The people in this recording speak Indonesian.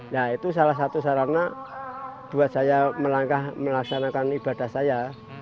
nah itu salah satu sarana buat saya melangkah melaksanakan ibadah saya